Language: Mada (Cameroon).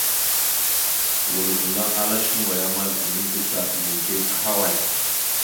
Wal gaŋa ala shuŋgo ya amal ene da ta, mege ahaway?